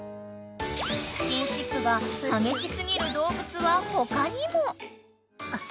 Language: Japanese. ［スキンシップが激し過ぎる動物は他にも］